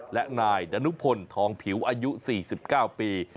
และนายดนุพลทองผิวอายุ๔๙ปี